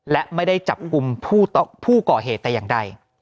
และไม่ได้จับกลุ่มผู้ก่อเหตุแต่อย่างใด